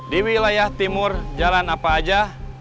di wilayah timur jalan apa aja